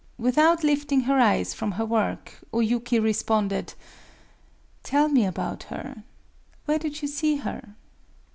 Without lifting her eyes from her work, O Yuki responded:— "Tell me about her... Where did you see her?"